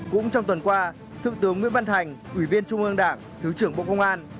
cũng trong tuần qua thượng tướng nguyễn văn thành ủy viên trung ương đảng thứ trưởng bộ công an